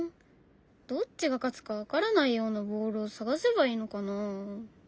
どっちが勝つか分からないようなボールを探せばいいのかなあ？